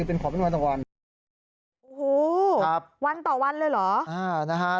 โอ้โฮวันต่อวันเลยเหรอ